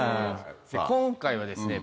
今回はですね